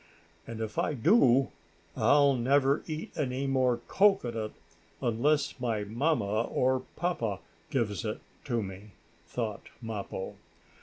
"And if I do, I'll never eat any more cocoanut, unless my mamma or papa gives it to me!" thought Mappo.